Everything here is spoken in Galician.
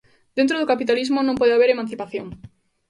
Dentro do capitalismo non pode haber emancipación.